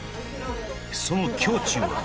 その胸中は？